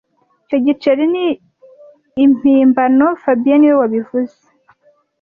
Icyo giceri ni impimbano fabien niwe wabivuze